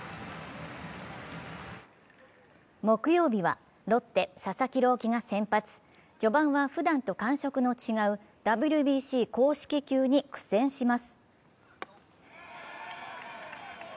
木曜日はロッテ・佐々木朗希が先発序盤は、ふだんと感触の違うＷＢＣ公式球に苦戦します。